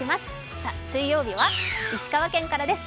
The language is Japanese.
水曜日は石川県からです。